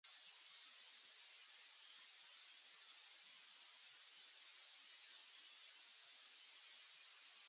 His research was on atmospheric chemistry and chemical kinetics.